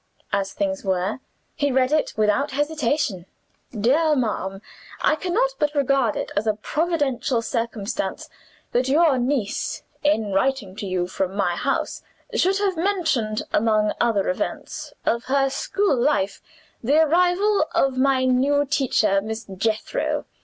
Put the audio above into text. As things were, he read it without hesitation. "DEAR MADAM I cannot but regard it as providential circumstance that your niece, in writing to you from my house, should have mentioned, among other events of her school life, the arrival of my new teacher, Miss Jethro.